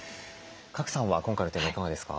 賀来さんは今回のテーマいかがですか？